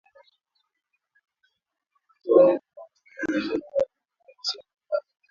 Dalili ya ugonjwa wa homa ya mapafu ni upumuaji hafifu na usio na mpangilio